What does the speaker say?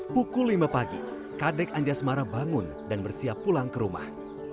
pukul lima pagi kadek anjasmara bangun dan bersiap pulang ke rumah